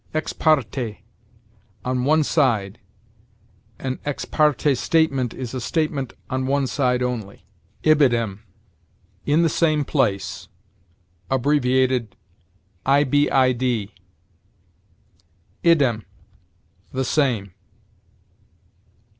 Ex parte: on one side; an ex parte statement is a statement on one side only. Ibidem: in the same place; abbreviated, ibid. Idem: the same.